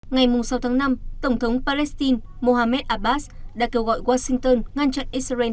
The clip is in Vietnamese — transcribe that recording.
ngày sáu tháng năm tổng thống palestine mohamed abbas đã kêu gọi washington ngăn chặn israel